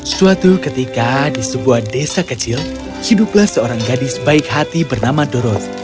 suatu ketika di sebuah desa kecil hiduplah seorang gadis baik hati bernama doroth